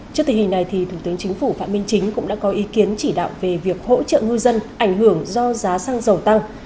trước tình hình này thủ tướng chính phủ phạm minh chính cũng đã có ý kiến chỉ đạo về việc hỗ trợ ngư dân ảnh hưởng do giá xăng dầu tăng